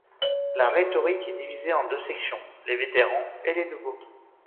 La rhétorique est divisée en deux sections : les vétérans et les nouveaux.